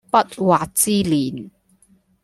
不惑之年